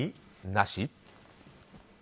なし？